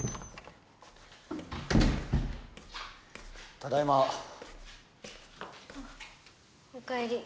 ただいま・あっおかえり